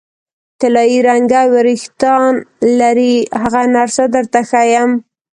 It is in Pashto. طلايي رنګه وریښتان لري، هغه نرسه درته ښیم.